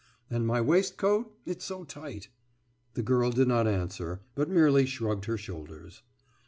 « »And my waistcoat? It's so tight.« The girl did not answer, but merely shrugged her shoulders.